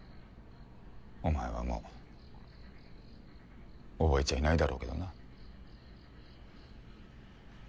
お前はもう覚えちゃいないだろうけどな。